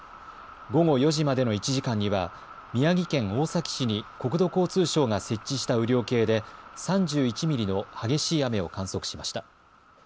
午後４時までの１時間には宮城県大崎市に国土交通省が設置した雨量計で３１ミリの激しい雨を観測しました。